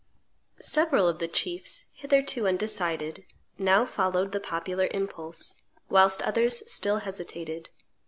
Several of the chiefs, hitherto undecided, now followed the popular impulse, whilst others still hesitated.